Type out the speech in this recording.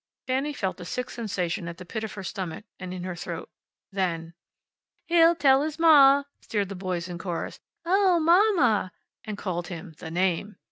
Fanny felt a sick sensation at the pit of her stomach and in her throat. Then: "He'll tell his ma!" sneered the boys in chorus. "Oh, mamma!" And called him the Name.